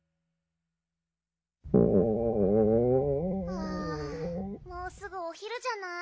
はぁもうすぐおひるじゃない？